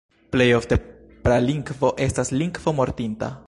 Plej ofte pralingvo estas lingvo mortinta.